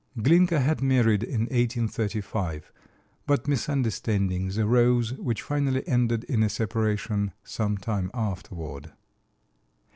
Glinka had married in 1835, but misunderstandings arose which finally ended in a separation some time afterward.